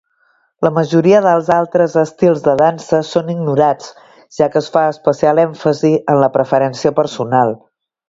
La majoria dels altres estils de dansa són ignorats, ja que es fa especial èmfasi en la preferència personal.